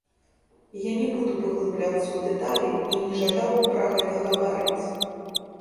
Я не буду паглыбляцца ў дэталі і не жадаў бы пра гэта гаварыць.